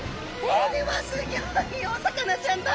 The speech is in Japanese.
これはすギョいお魚ちゃんだ！